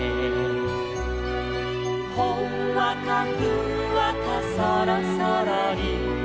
「ほんわかふんわかそろそろり」